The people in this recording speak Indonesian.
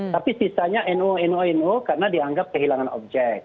tapi sisanya nu karena dianggap kehilangan objek